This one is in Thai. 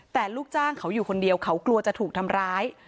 แต่ลูกจ้างเขาอยู่คนเดียวเขากลัวจะถูกทำร้าย